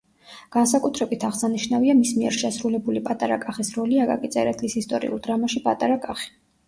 განსაკუთრებით აღსანიშნავია მის მიერ შესრულებული პატარა კახის როლი აკაკი წერეთლის ისტორიულ დრამაში „პატარა კახი“.